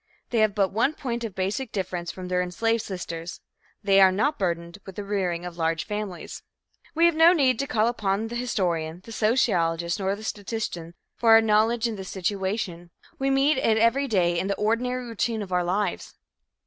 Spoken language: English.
They have but one point of basic difference from their enslaved sisters they are not burdened with the rearing of large families. We have no need to call upon the historian, the sociologist nor the statistician for our knowledge of this situation. We meet it every day in the ordinary routine of our lives.